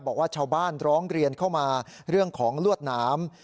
บอกว่าชาวบ้านร้องเรียนเข้ามาเรื่องของลวดหนาม